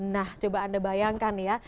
nah coba anda bayangkan ya